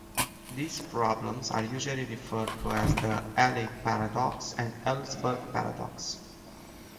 These problems are usually referred to as the Allais paradox and Ellsberg paradox.